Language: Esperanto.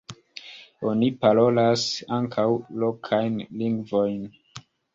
Oni parolas ankaŭ lokajn lingvojn.